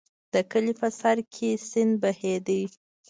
د کلي په سر کې سیند بهېده.